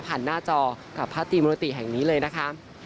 ผ่านหน้าจอกับพระธรรมนุษย์แห่งนี้เลยนะคะ